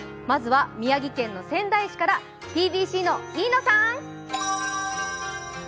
まずは宮城県の仙台市からｔｂｃの飯野さん。